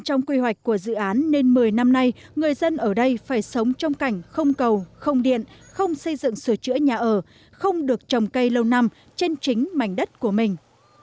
trong quy hoạch của dự án nên một mươi năm nay người dân ở đây phải sống trong cảnh không cầu không điện không xây dựng sửa chữa nhà ở không được trồng cây lâu năm trên chính mảnh đất của mình